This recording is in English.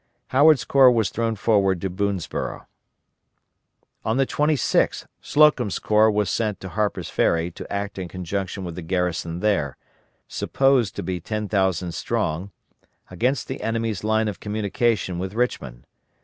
Howard's corps was thrown forward to Boonsborough. On the 26th Slocum's corps was sent to Harper's Ferry to act in conjunction with the garrison there supposed to be 10,000 strong against the enemy's line of communication with Richmond.